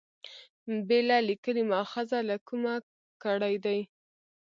بېله لیکلي مأخذه له کومه کړي دي.